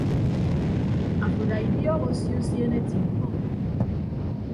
Afo ada idiọk osio usiene eti mkpọ.